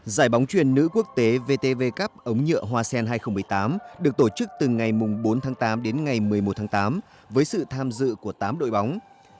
giải bóng truyền nữ quốc tế vtv cup ống nhựa hoa sen hai nghìn một mươi tám được tổ chức từ ngày bốn tháng tám đến ngày một mươi một tháng tám với sự tham dự của tám đội bóng